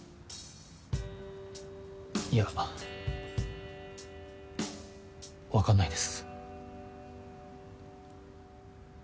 いやわかんないです。